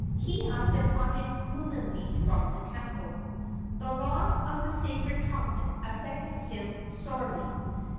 Kiha departed gloomily from the temple. The loss of the sacred trumpet afflicted him sorely.